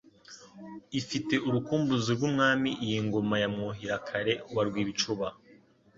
Ifite urukumbuzi rw'Umwami Iyi ngoma ya Mwuhira-kare wa Rwibicuba,